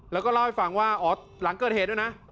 แล้วก็เล่าให้ฟังว่าอ๋อหลังเกิดเหตุด้วยนะ